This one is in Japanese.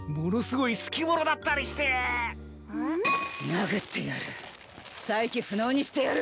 殴ってやる再起不能にしてやる！